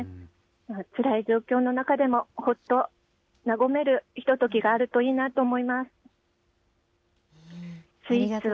つらい状況の中でも、ほっと和めるひとときがあるといいなぁと思います。